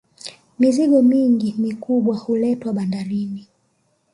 mizigo mingi mikubwa huletwa bandarini